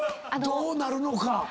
どうなるのか。